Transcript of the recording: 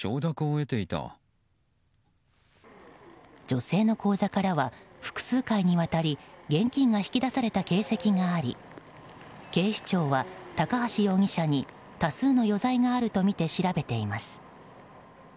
女性の口座からは複数回にわたり現金が引き出された形跡があり警視庁は高橋容疑者に多数の余罪があるとみて調べています。